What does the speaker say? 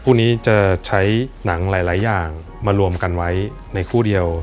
คู่นี้จะใช้หนังหลายอย่างมารวมกันไว้ในคู่เดียว